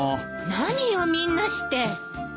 何よみんなして。